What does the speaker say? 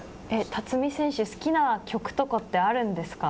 辰己選手、すきな曲とかってあるんですか。